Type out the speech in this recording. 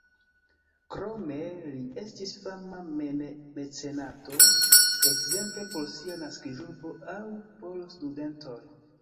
Krome li estis fama mecenato, ekzemple por sia naskiĝurbo aŭ por studentoj.